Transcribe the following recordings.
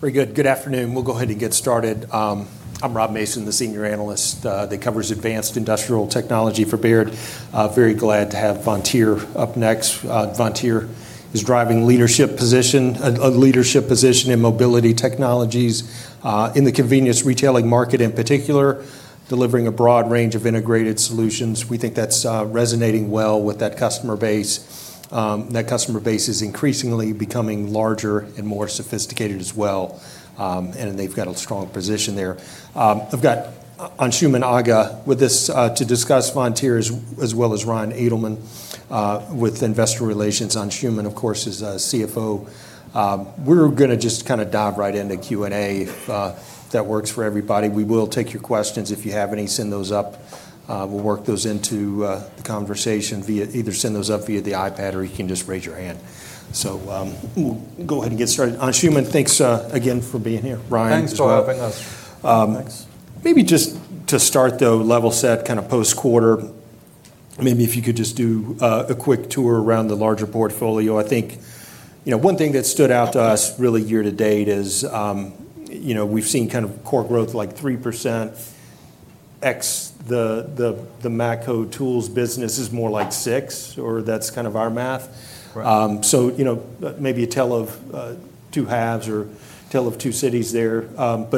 Very good. Good afternoon. We'll go ahead and get started. I'm Rob Mason, the senior analyst that covers advanced industrial technology for Baird. Very glad to have Vontier up next. Vontier is driving a leadership position in mobility technologies in the convenience retailing market in particular, delivering a broad range of integrated solutions. We think that's resonating well with that customer base. That customer base is increasingly becoming larger and more sophisticated as well, and they've got a strong position there. I've got Anshooman Aga with us to discuss Vontier, as well as Ryan Edelman with investor relations. Anshooman, of course, is CFO. We're going to just kind of dive right into Q&A if that works for everybody. We will take your questions. If you have any, send those up. We'll work those into the conversation. Either send those up via the iPad, or you can just raise your hand. We'll go ahead and get started. Anshooman, thanks again for being here. Ryan as well. Thanks for having us. Maybe just to start, though, level set, kind of post-quarter, maybe if you could just do a quick tour around the larger portfolio. I think one thing that stood out to us really year to date is we've seen kind of core growth like 3%. The Matco Tools business is more like 6%, or that's kind of our math. Maybe a tale of two halves or tale of two cities there.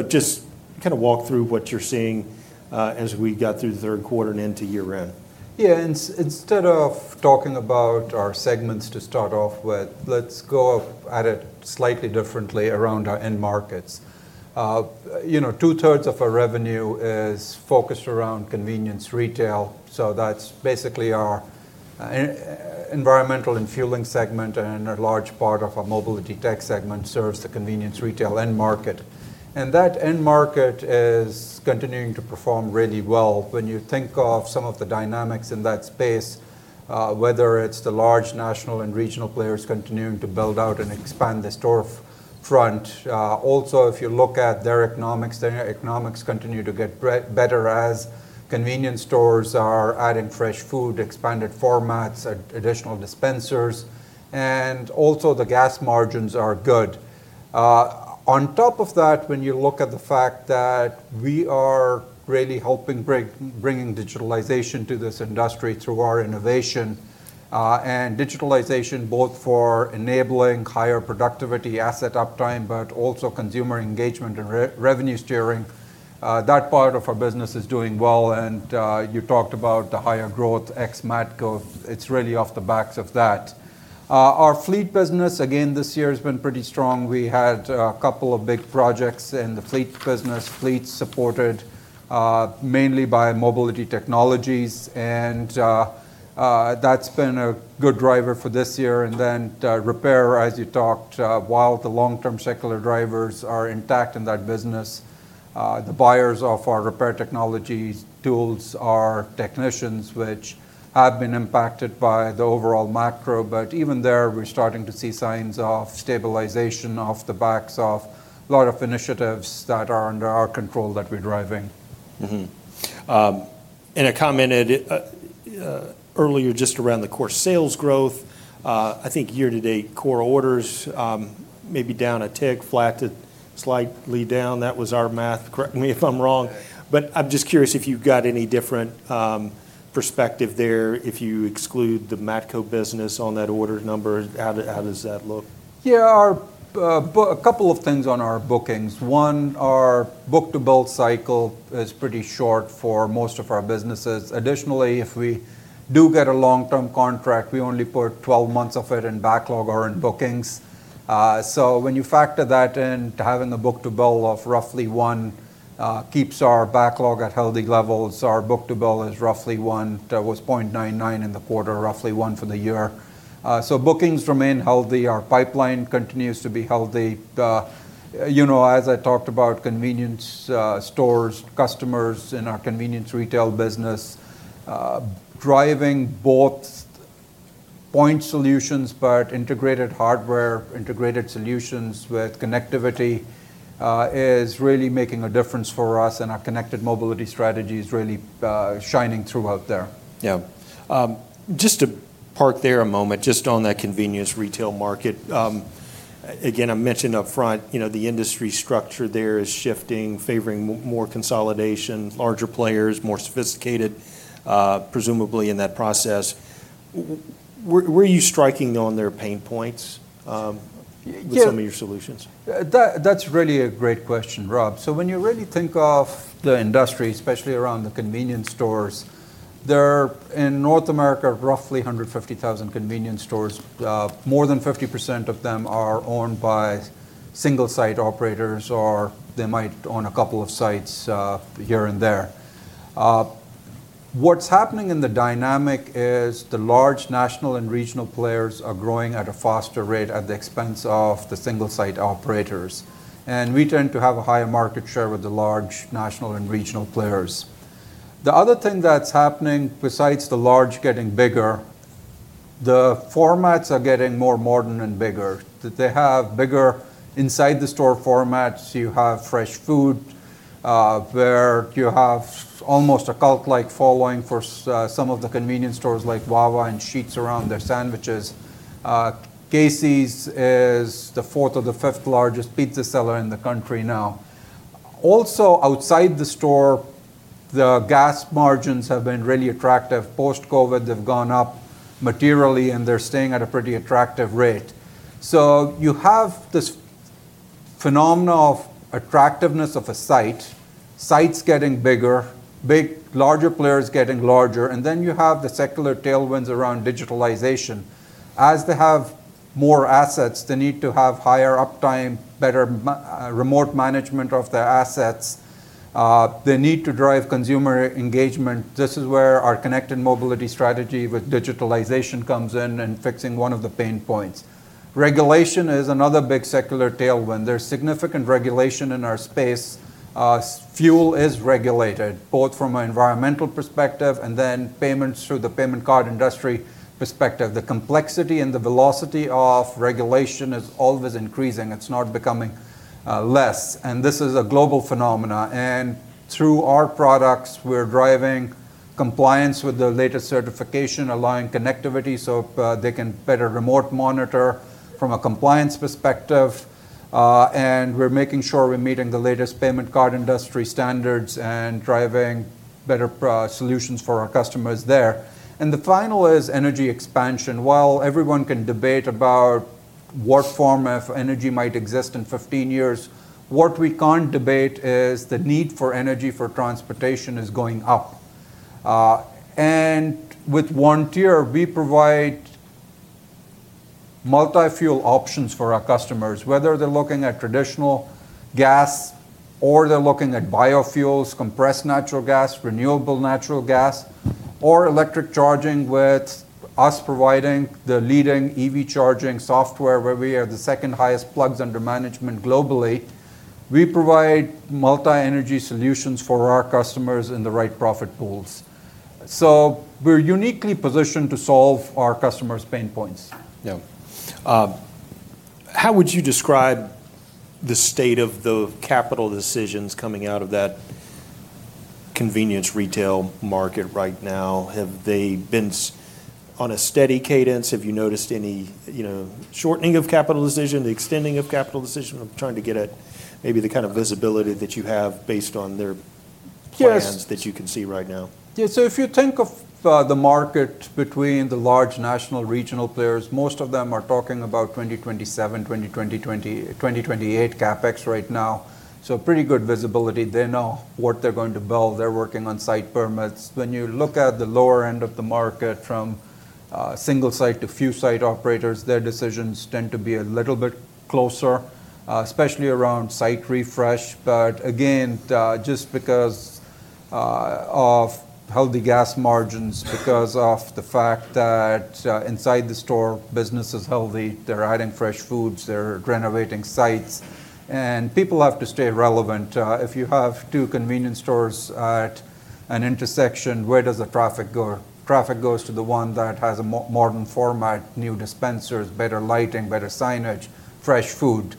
Just kind of walk through what you're seeing as we got through the third quarter and into year end. Yeah. Instead of talking about our segments to start off with, let's go at it slightly differently around our end markets. 2/3 of our revenue is focused around convenience retail. That's basically our Environmental and Fueling segment, and a large part of our Mobility Tech segment serves the convenience retail end market. That end market is continuing to perform really well. When you think of some of the dynamics in that space, whether it's the large national and regional players continuing to build out and expand the storefront. Also, if you look at their economics, their economics continue to get better as convenience stores are adding fresh food, expanded formats, additional dispensers. Also, the gas margins are good. On top of that, when you look at the fact that we are really helping bring digitalization to this industry through our innovation and digitalization, both for enabling higher productivity, asset uptime, but also consumer engagement and revenue steering, that part of our business is doing well. You talked about the higher growth, ex-Matco, it is really off the backs of that. Our fleet business, again, this year has been pretty strong. We had a couple of big projects in the fleet business, fleet supported mainly by Mobility Technologies. That has been a good driver for this year. Repair, as you talked, while the long-term secular drivers are intact in that business, the buyers of our repair technology tools are technicians, which have been impacted by the overall macro. Even there, we're starting to see signs of stabilization off the backs of a lot of initiatives that are under our control that we're driving. I commented earlier, just around the core sales growth, I think year to date, core orders maybe down a tick, flat to slightly down. That was our math. Correct me if I'm wrong. I'm just curious if you've got any different perspective there. If you exclude the Matco business on that order number, how does that look? Yeah. A couple of things on our bookings. One, our book-to-bill cycle is pretty short for most of our businesses. Additionally, if we do get a long-term contract, we only put 12 months of it in backlog or in bookings. When you factor that in, having a book-to-bill of roughly one keeps our backlog at healthy levels. Our book-to-bill is roughly one, was 0.99 in the quarter, roughly one for the year. Bookings remain healthy. Our pipeline continues to be healthy. As I talked about, convenience stores, customers in our convenience retail business, driving both point solutions, but integrated hardware, integrated solutions with connectivity is really making a difference for us. Our connected mobility strategy is really shining through out there. Yeah. Just to park there a moment, just on that convenience retail market. Again, I mentioned upfront, the industry structure there is shifting, favoring more consolidation, larger players, more sophisticated, presumably, in that process. Where are you striking on their pain points with some of your solutions? That's really a great question, Rob. When you really think of the industry, especially around the convenience stores, there are in North America roughly 150,000 convenience stores. More than 50% of them are owned by single-site operators, or they might own a couple of sites here and there. What's happening in the dynamic is the large national and regional players are growing at a faster rate at the expense of the single-site operators. We tend to have a higher market share with the large national and regional players. The other thing that's happening, besides the large getting bigger, the formats are getting more modern and bigger. They have bigger inside-the-store formats. You have fresh food, where you have almost a cult-like following for some of the convenience stores, like Wawa and Sheetz around their sandwiches. Casey's is the fourth or the fifth largest pizza seller in the country now. Also, outside the store, the gas margins have been really attractive. Post-COVID, they've gone up materially, and they're staying at a pretty attractive rate. You have this phenomena of attractiveness of a site, sites getting bigger, larger players getting larger. You have the secular tailwinds around digitalization. As they have more assets, they need to have higher uptime, better remote management of their assets. They need to drive consumer engagement. This is where our connected mobility strategy with digitalization comes in and fixing one of the pain points. Regulation is another big secular tailwind. There's significant regulation in our space. Fuel is regulated, both from an environmental perspective and then payments through the payment card industry perspective. The complexity and the velocity of regulation is always increasing. It's not becoming less. This is a global phenomena. Through our products, we're driving compliance with the latest certification, allowing connectivity so they can better remote monitor from a compliance perspective. We're making sure we're meeting the latest payment card industry standards and driving better solutions for our customers there. The final is energy expansion. While everyone can debate about what form of energy might exist in 15 years, what we can't debate is the need for energy for transportation is going up. With Vontier, we provide multi-fuel options for our customers, whether they're looking at traditional gas or they're looking at biofuels, compressed natural gas, renewable natural gas, or electric charging with us providing the leading EV charging software, where we are the second highest plugs under management globally. We provide multi-energy solutions for our customers in the right profit pools. We're uniquely positioned to solve our customers' pain points. Yeah. How would you describe the state of the capital decisions coming out of that convenience retail market right now? Have they been on a steady cadence? Have you noticed any shortening of capital decision, the extending of capital decision? I'm trying to get at maybe the kind of visibility that you have based on their plans that you can see right now. Yeah. If you think of the market between the large national regional players, most of them are talking about 2027, 2028 CapEx right now. Pretty good visibility. They know what they're going to build. They're working on site permits. When you look at the lower end of the market from single-site to few-site operators, their decisions tend to be a little bit closer, especially around site refresh. Again, just because of healthy gas margins, because of the fact that inside the store, business is healthy. They're adding fresh foods. They're renovating sites. People have to stay relevant. If you have two convenience stores at an intersection, where does the traffic go? Traffic goes to the one that has a modern format, new dispensers, better lighting, better signage, fresh food.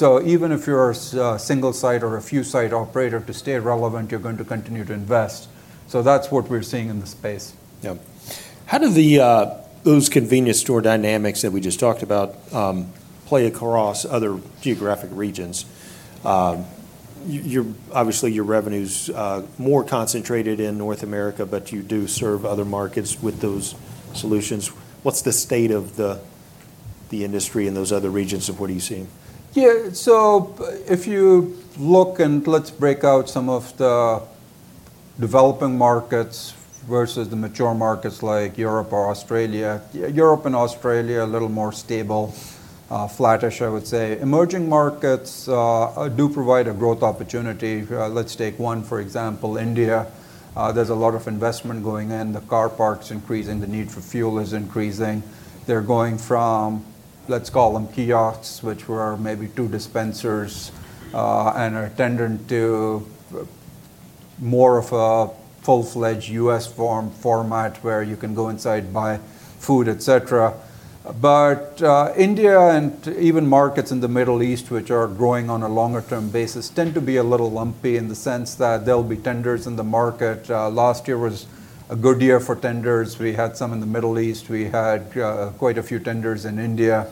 Even if you're a single-site or a few-site operator, to stay relevant, you're going to continue to invest. That's what we're seeing in the space. Yeah. How do those convenience store dynamics that we just talked about play across other geographic regions? Obviously, your revenue's more concentrated in North America, but you do serve other markets with those solutions. What's the state of the industry in those other regions or what are you seeing? Yeah. If you look and let's break out some of the developing markets versus the mature markets like Europe or Australia. Europe and Australia are a little more stable, flattish, I would say. Emerging markets do provide a growth opportunity. Let's take one, for example, India. There's a lot of investment going in. The car park's increasing. The need for fuel is increasing. They're going from, let's call them, kiosks, which were maybe two dispensers, and are tending to more of a full-fledged U.S. format where you can go inside and buy food, et cetera. India and even markets in the Middle East, which are growing on a longer-term basis, tend to be a little lumpy in the sense that there'll be tenders in the market. Last year was a good year for tenders. We had some in the Middle East. We had quite a few tenders in India.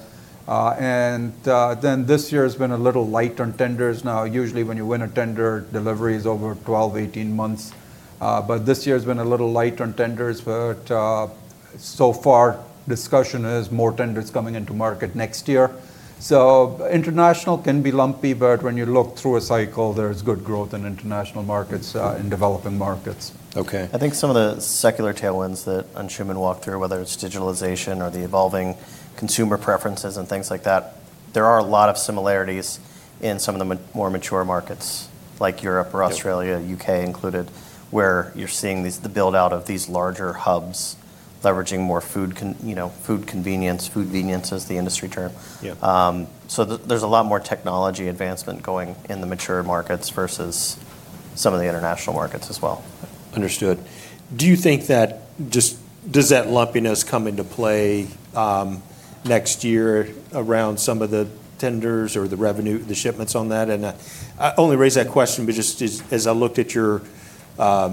This year has been a little light on tenders. Now, usually when you win a tender, delivery is over 12-18 months. This year has been a little light on tenders. So far, discussion is more tenders coming into market next year. International can be lumpy, but when you look through a cycle, there is good growth in international markets, in developing markets. Okay. I think some of the secular tailwinds that Anshooman walked through, whether it's digitalization or the evolving consumer preferences and things like that, there are a lot of similarities in some of the more mature markets like Europe or Australia, U.K. included, where you're seeing the build-out of these larger hubs leveraging more food convenience, food-venience is the industry term. There is a lot more technology advancement going in the mature markets versus some of the international markets as well. Understood. Do you think that just does that lumpiness come into play next year around some of the tenders or the revenue, the shipments on that? I only raise that question, just as I looked at your, at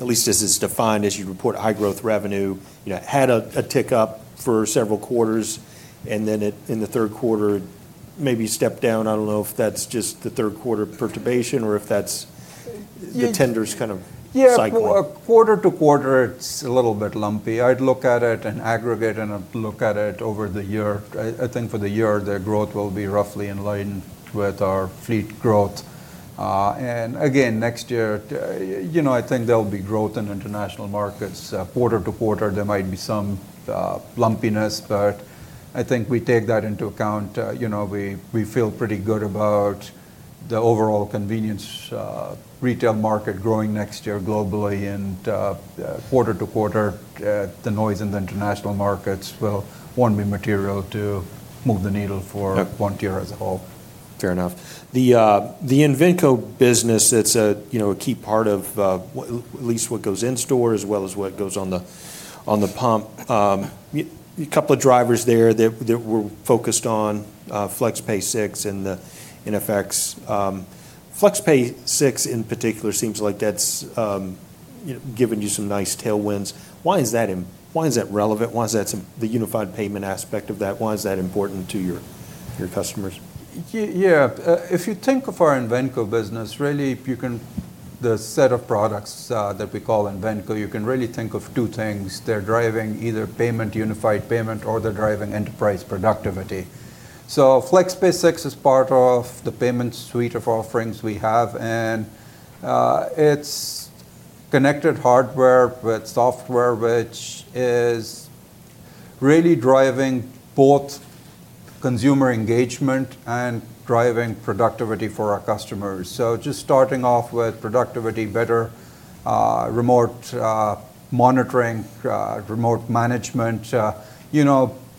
least as it's defined, as you report high-growth revenue, it had a tick up for several quarters, and then in the third quarter, it maybe stepped down. I don't know if that's just the third quarter perturbation or if that's the tenders kind of cycle. Yeah. Quarter to quarter, it's a little bit lumpy. I'd look at it in aggregate and look at it over the year. I think for the year, the growth will be roughly in line with our fleet growth. Again, next year, I think there'll be growth in international markets. Quarter to quarter, there might be some lumpiness, but I think we take that into account. We feel pretty good about the overall convenience retail market growing next year globally. Quarter to quarter, the noise in the international markets will be material to move the needle for Vontier as a whole. Fair enough. The Invenco business, it's a key part of at least what goes in store as well as what goes on the pump. A couple of drivers there that were focused on FlexPay 6 and the iNFX. FlexPay 6 in particular seems like that's given you some nice tailwinds. Why is that relevant? Why is that the unified payment aspect of that? Why is that important to your customers? Yeah. If you think of our Invenco business, really, the set of products that we call Invenco, you can really think of two things. They're driving either payment, unified payment, or they're driving enterprise productivity. FlexPay 6 is part of the payment suite of offerings we have. And it's connected hardware with software, which is really driving both consumer engagement and driving productivity for our customers. Just starting off with productivity, better remote monitoring, remote management.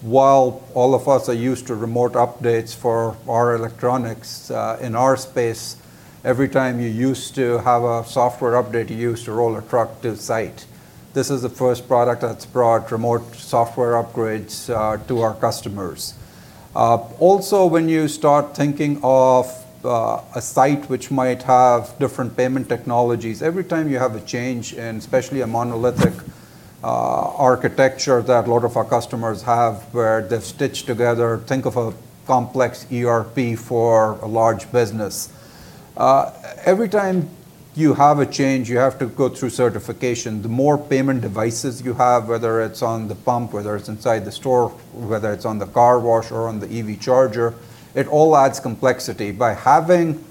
While all of us are used to remote updates for our electronics in our space, every time you used to have a software update, you used to roll a truck to site. This is the first product that's brought remote software upgrades to our customers. Also, when you start thinking of a site which might have different payment technologies, every time you have a change in, especially a monolithic architecture that a lot of our customers have where they've stitched together, think of a complex ERP for a large business. Every time you have a change, you have to go through certification. The more payment devices you have, whether it's on the pump, whether it's inside the store, whether it's on the car wash or on the EV charger, it all adds complexity. By having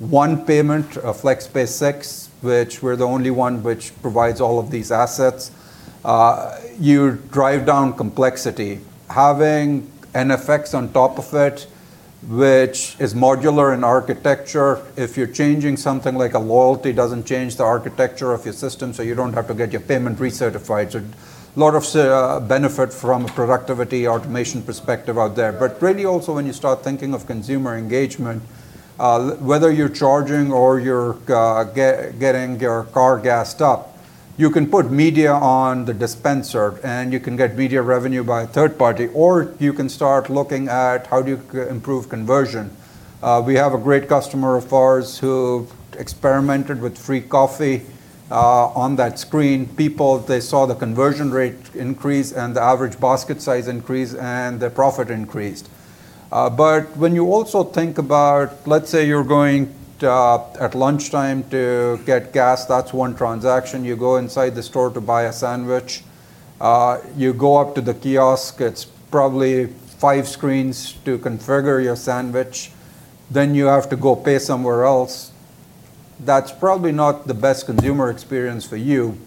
one payment, a FlexPay 6, which we're the only one which provides all of these assets, you drive down complexity. Having iNFX on top of it, which is modular in architecture, if you're changing something like a loyalty, it doesn't change the architecture of your system, so you don't have to get your payment recertified. A lot of benefit from a productivity automation perspective out there. But really also, when you start thinking of consumer engagement, whether you're charging or you're getting your car gassed up, you can put media on the dispenser, and you can get media revenue by a third party, or you can start looking at how do you improve conversion. We have a great customer of ours who experimented with free coffee on that screen. People, they saw the conversion rate increase and the average basket size increase and their profit increased. But when you also think about, let's say you're going at lunchtime to get gas, that's one transaction. You go inside the store to buy a sandwich. You go up to the kiosk. It's probably five screens to configure your sandwich. Then you have to go pay somewhere else. That's probably not the best consumer experience for you.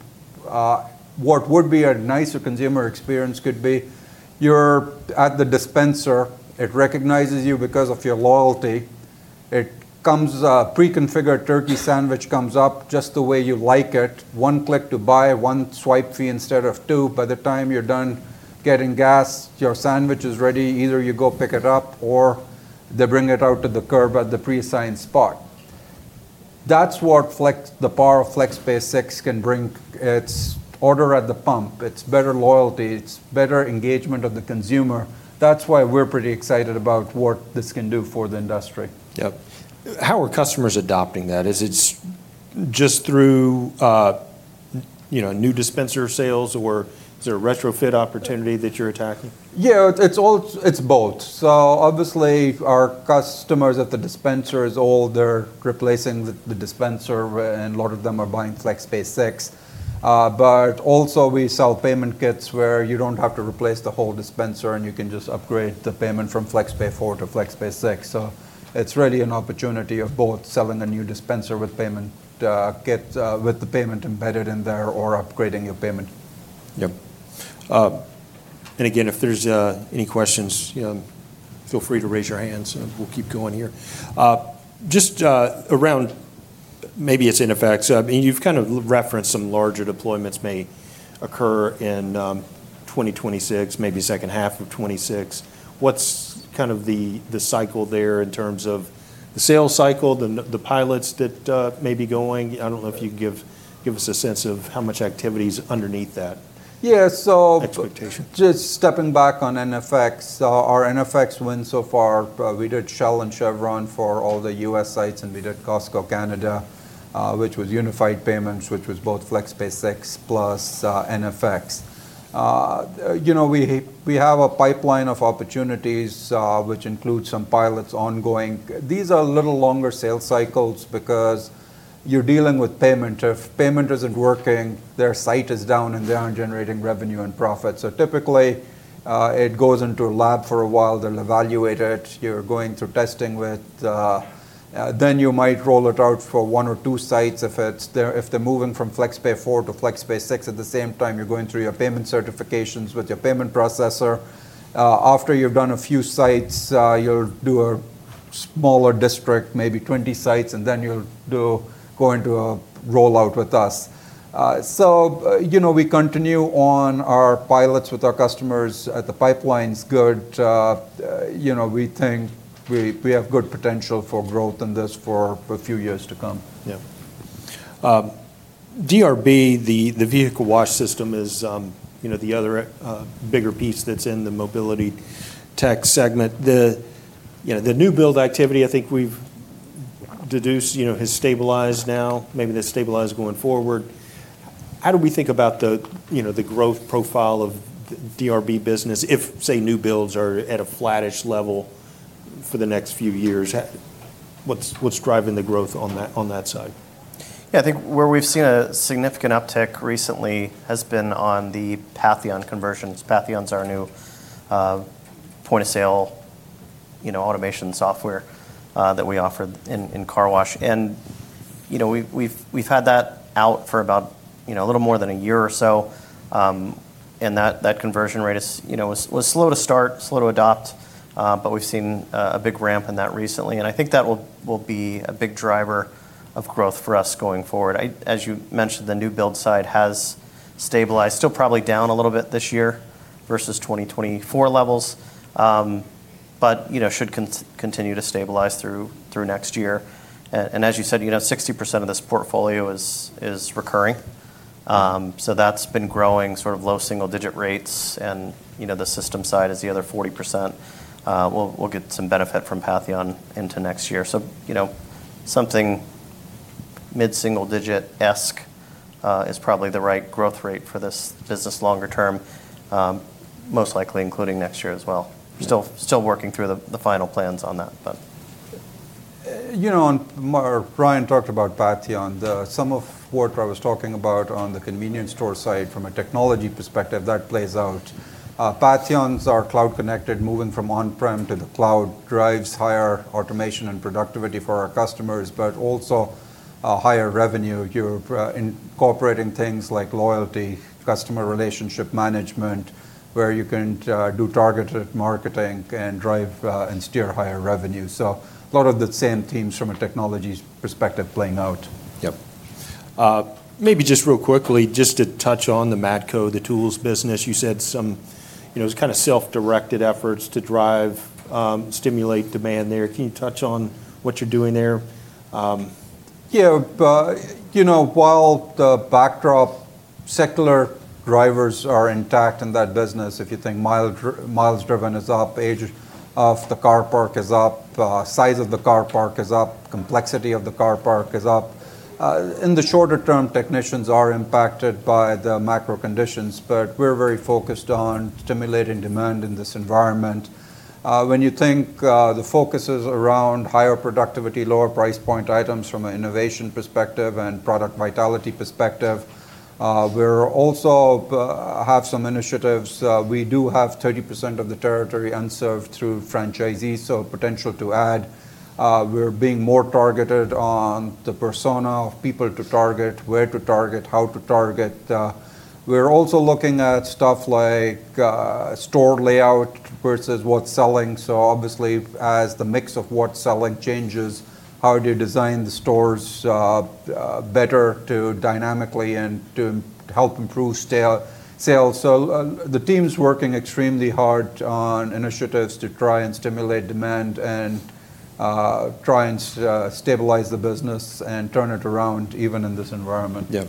What would be a nicer consumer experience could be you're at the dispenser. It recognizes you because of your loyalty. It comes, a pre-configured turkey sandwich comes up just the way you like it. One click to buy, one swipe fee instead of two. By the time you're done getting gas, your sandwich is ready. Either you go pick it up or they bring it out to the curb at the preassigned spot. That's what the power of FlexPay 6 can bring. It's order at the pump. It's better loyalty. It's better engagement of the consumer. That's why we're pretty excited about what this can do for the industry. Yep. How are customers adopting that? Is it just through new dispenser sales, or is there a retrofit opportunity that you're attacking? Yeah. It's both. Obviously, our customers at the dispensers, they're replacing the dispenser, and a lot of them are buying FlexPay 6. Also, we sell payment kits where you don't have to replace the whole dispenser, and you can just upgrade the payment from FlexPay 4 to FlexPay 6. It's really an opportunity of both selling a new dispenser with payment kit with the payment embedded in there or upgrading your payment. Yep. If there's any questions, feel free to raise your hands, and we'll keep going here. Just around maybe it's iNFX. You've kind of referenced some larger deployments may occur in 2026, maybe second half of 2026. What's kind of the cycle there in terms of the sales cycle, the pilots that may be going? I don't know if you can give us a sense of how much activity is underneath that expectation. Yeah. Just stepping back on iNFX, our iNFX win so far, we did Shell and Chevron for all the U.S. sites, and we did Costco Canada, which was unified payments, which was both FlexPay 6 plus iNFX. We have a pipeline of opportunities, which includes some pilots ongoing. These are a little longer sales cycles because you're dealing with payment. If payment isn't working, their site is down, and they aren't generating revenue and profit. Typically, it goes into a lab for a while. They'll evaluate it. You're going through testing with. Then you might roll it out for one or two sites. If they're moving from FlexPay 4 to FlexPay 6 at the same time, you're going through your payment certifications with your payment processor. After you've done a few sites, you'll do a smaller district, maybe 20 sites, and then you'll go into a rollout with us. We continue on our pilots with our customers. The pipeline's good. We think we have good potential for growth in this for a few years to come. Yeah. DRB, the vehicle wash system, is the other bigger piece that's in the mobility tech segment. The new build activity, I think we've deduced, has stabilized now. Maybe that's stabilized going forward. How do we think about the growth profile of the DRB business if, say, new builds are at a flattish level for the next few years? What's driving the growth on that side? Yeah. I think where we've seen a significant uptick recently has been on the Patheon conversions. Patheon is our new point-of-sale automation software that we offer in car wash. We have had that out for about a little more than a year or so. That conversion rate was slow to start, slow to adopt, but we've seen a big ramp in that recently. I think that will be a big driver of growth for us going forward. As you mentioned, the new build side has stabilized. Still probably down a little bit this year versus 2024 levels, but should continue to stabilize through next year. As you said, 60% of this portfolio is recurring. That has been growing sort of low single-digit rates. The system side is the other 40%. We will get some benefit from Patheon into next year. Something mid-single-digit-esque is probably the right growth rate for this business longer term, most likely including next year as well. Still working through the final plans on that, but. You know, Brian talked about Patheon. Some of what I was talking about on the convenience store side from a technology perspective, that plays out. Patheon is our cloud-connected, moving from on-prem to the cloud drives higher automation and productivity for our customers, but also higher revenue. You're incorporating things like loyalty, customer relationship management, where you can do targeted marketing and drive and steer higher revenue. A lot of the same themes from a technology perspective playing out. Yep. Maybe just real quickly, just to touch on the Matco, the tools business, you said some kind of self-directed efforts to drive, stimulate demand there. Can you touch on what you're doing there? Yeah. While the backdrop, secular drivers are intact in that business. If you think miles driven is up, age of the car park is up, size of the car park is up, complexity of the car park is up. In the shorter term, technicians are impacted by the macro conditions, but we're very focused on stimulating demand in this environment. When you think the focus is around higher productivity, lower price point items from an innovation perspective and product vitality perspective, we also have some initiatives. We do have 30% of the territory unserved through franchisees, so potential to add. We're being more targeted on the persona of people to target, where to target, how to target. We're also looking at stuff like store layout versus what's selling. Obviously, as the mix of what's selling changes, how do you design the stores better to dynamically and to help improve sales? The team's working extremely hard on initiatives to try and stimulate demand and try and stabilize the business and turn it around even in this environment. Yeah.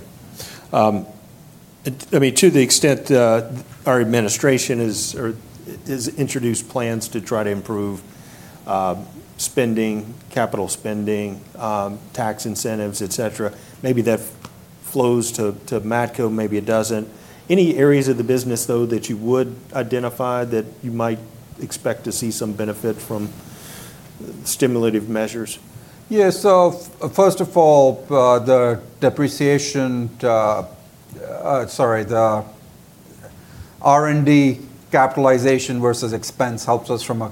I mean, to the extent our administration has introduced plans to try to improve spending, capital spending, tax incentives, etc., maybe that flows to Matco, maybe it does not. Any areas of the business, though, that you would identify that you might expect to see some benefit from stimulative measures? Yeah. First of all, the depreciation, sorry, the R&D capitalization versus expense helps us from a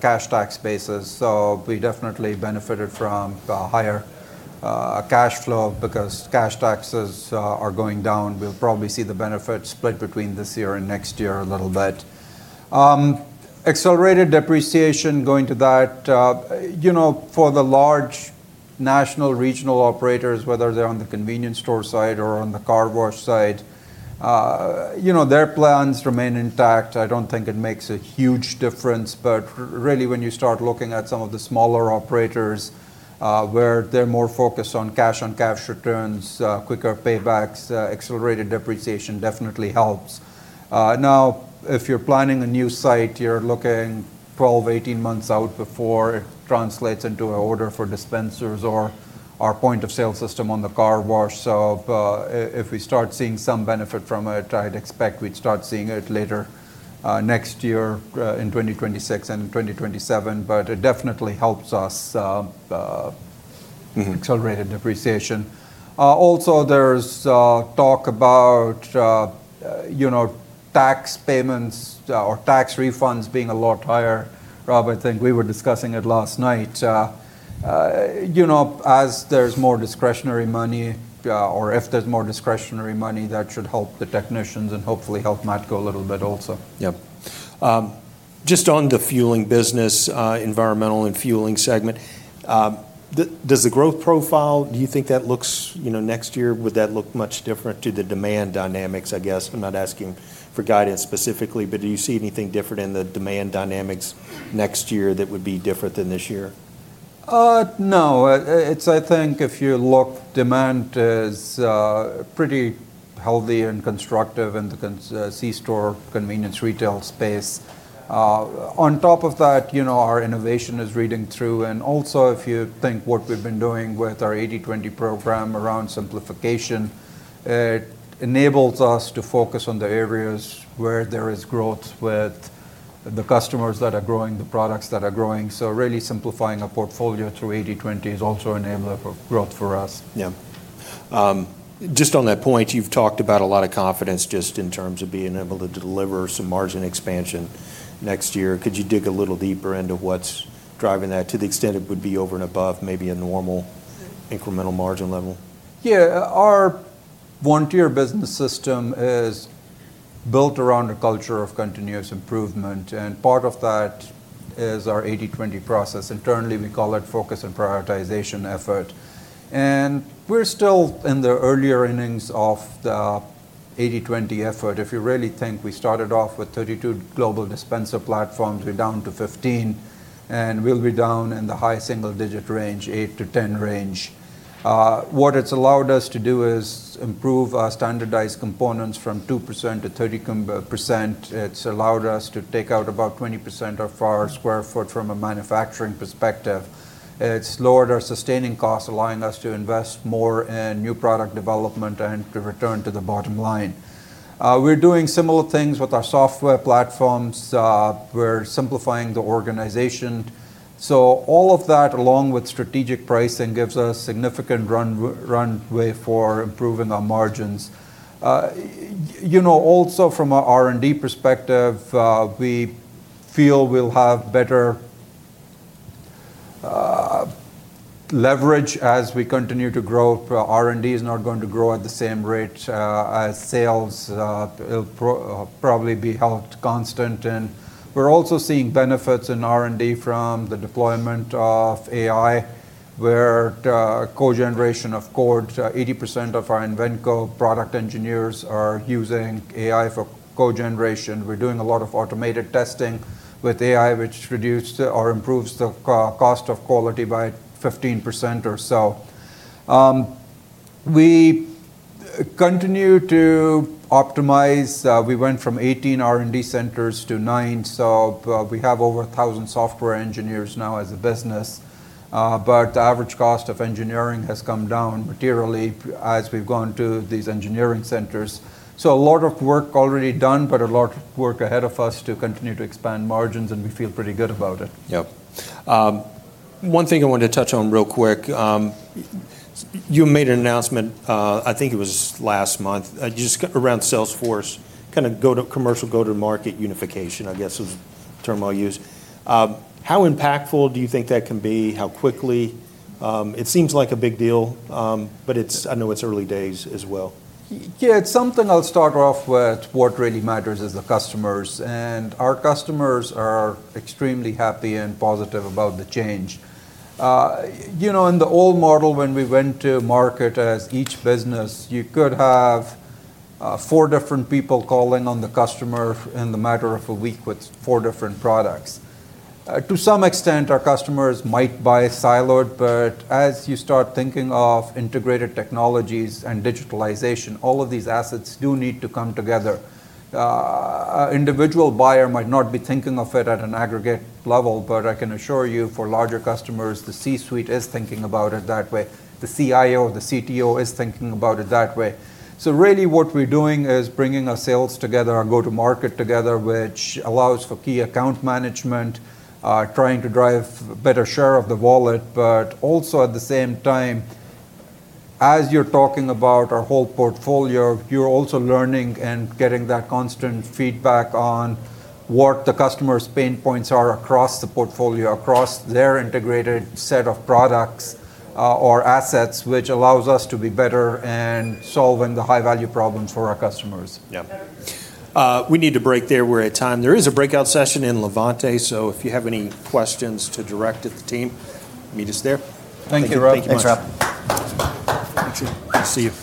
cash tax basis. We definitely benefited from a higher cash flow because cash taxes are going down. We'll probably see the benefit split between this year and next year a little bit. Accelerated depreciation going to that. For the large national regional operators, whether they're on the convenience store side or on the car wash side, their plans remain intact. I don't think it makes a huge difference, but really when you start looking at some of the smaller operators where they're more focused on cash on cash returns, quicker paybacks, accelerated depreciation definitely helps. Now, if you're planning a new site, you're looking 12-18 months out before it translates into an order for dispensers or our point-of-sale system on the car wash. If we start seeing some benefit from it, I'd expect we'd start seeing it later next year in 2026 and in 2027, but it definitely helps us accelerated depreciation. Also, there's talk about tax payments or tax refunds being a lot higher. Rob, I think we were discussing it last night. As there's more discretionary money or if there's more discretionary money, that should help the technicians and hopefully help Matco a little bit also. Yep. Just on the fueling business, environmental and fueling segment, does the growth profile, do you think that looks next year, would that look much different to the demand dynamics? I guess I'm not asking for guidance specifically, but do you see anything different in the demand dynamics next year that would be different than this year? No. I think if you look, demand is pretty healthy and constructive in the C-store convenience retail space. On top of that, our innovation is reading through. Also, if you think what we've been doing with our 80/20 program around simplification, it enables us to focus on the areas where there is growth with the customers that are growing, the products that are growing. Really simplifying a portfolio through 80/20 is also an enabler for growth for us. Yeah. Just on that point, you've talked about a lot of confidence just in terms of being able to deliver some margin expansion next year. Could you dig a little deeper into what's driving that to the extent it would be over and above maybe a normal incremental margin level? Yeah. Our Vontier business system is built around a culture of continuous improvement. Part of that is our 80/20 process. Internally, we call it focus and prioritization effort. We're still in the earlier innings of the 80/20 effort. If you really think, we started off with 32 global dispenser platforms, we're down to 15, and we'll be down in the high single-digit range, 8-10 range. What it's allowed us to do is improve our standardized components from 2% to 30%. It's allowed us to take out about 20% of our square foot from a manufacturing perspective. It's lowered our sustaining costs, allowing us to invest more in new product development and to return to the bottom line. We're doing similar things with our software platforms. We're simplifying the organization. All of that, along with strategic pricing, gives us significant runway for improving our margins. Also, from an R&D perspective, we feel we'll have better leverage as we continue to grow. R&D is not going to grow at the same rate as sales. It'll probably be held constant. We are also seeing benefits in R&D from the deployment of AI, where cogeneration of code, 80% of our Invenco product engineers are using AI for cogeneration. We are doing a lot of automated testing with AI, which reduces or improves the cost of quality by 15% or so. We continue to optimize. We went from 18 R&D centers to nine. We have over 1,000 software engineers now as a business, but the average cost of engineering has come down materially as we've gone to these engineering centers. A lot of work already done, but a lot of work ahead of us to continue to expand margins, and we feel pretty good about it. Yep. One thing I wanted to touch on real quick, you made an announcement, I think it was last month, just around Salesforce, kind of commercial go-to-market unification, I guess is the term I'll use. How impactful do you think that can be? How quickly? It seems like a big deal, but I know it's early days as well. Yeah. Something I'll start off with, what really matters is the customers. And our customers are extremely happy and positive about the change. In the old model, when we went to market as each business, you could have four different people calling on the customer in the matter of a week with four different products. To some extent, our customers might buy siloed, but as you start thinking of integrated technologies and digitalization, all of these assets do need to come together. An individual buyer might not be thinking of it at an aggregate level, but I can assure you for larger customers, the C-suite is thinking about it that way. The CIO or the CTO is thinking about it that way. So really what we're doing is bringing our sales together, our go-to-market together, which allows for key account management, trying to drive a better share of the wallet. Also at the same time, as you're talking about our whole portfolio, you're also learning and getting that constant feedback on what the customer's pain points are across the portfolio, across their integrated set of products or assets, which allows us to be better and solve the high-value problems for our customers. Yeah. We need to break there. We're at time. There is a breakout session in Levante, so if you have any questions to direct at the team, meet us there. Thank you, Rob. Thank you, Rob. Thanks. See you.